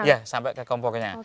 iya sampai ke kompornya